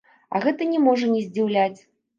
А гэта не можа не здзіўляць.